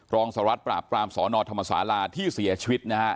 รองสรรวจปราบกลามสอนอธรรมศาลาที่เสียชีวิต